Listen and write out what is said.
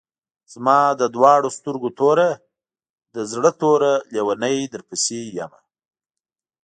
زما د دواڼو سترګو توره، د زړۀ ټوره لېونۍ درپسې يمه